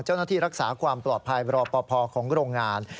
เจ้าหน้าที่รักษาความปลอดภัยรอปภของโรงงาน